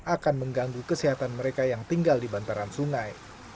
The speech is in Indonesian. akan mengganggu kesehatan mereka yang tinggal di bantaran sungai